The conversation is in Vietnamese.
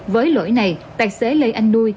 với lỗi này tài xế lê anh nui